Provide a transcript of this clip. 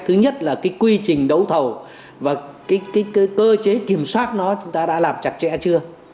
thứ nhất là cái quy trình đấu thầu và cái cơ chế kiểm soát nó chúng ta đã làm chặt chẽ chưa